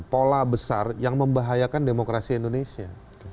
pola besar yang membahayakan demokrasi indonesia